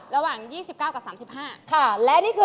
ระหว่าง๒๙กับ๓๕บาท